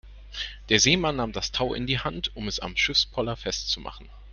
Der Seemann nahm das Tau in die Hand, um es am Schiffspoller festzumachen.